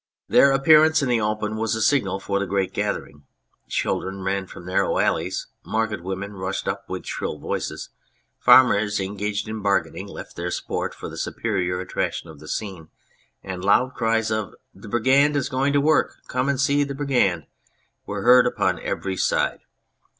191 On Anything Their appearance in the open was the signal for a great gathering ; children ran from narrow alleys, market women rushed up with shrill voices, farmers engaged in bargaining left their sport for the superior attractions of the scene, and loud cries of " The Brigand is going to work come and see the Brigand " were heard upon every side.